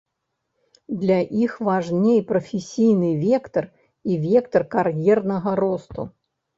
Для іх важней прафесійны вектар і вектар кар'ернага росту.